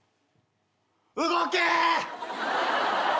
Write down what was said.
動け！